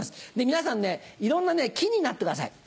皆さんねいろんな木になってください。